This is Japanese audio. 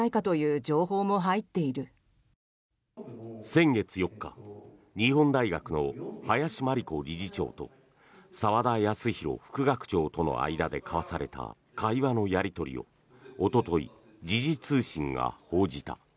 先月４日日本大学の林真理子理事長と澤田康広副学長との間で交わされた会話のやり取りをおととい、時事通信が報じた。